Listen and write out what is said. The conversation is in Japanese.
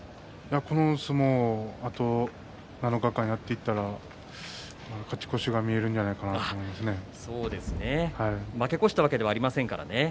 この相撲はあと７日間やっていったら勝ち越しが見えるんじゃないかなとそうですね負け越したわけではありませんからね。